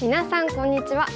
こんにちは。